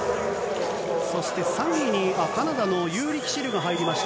そして３位にカナダのユーリ・キシルが入りました。